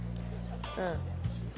うん。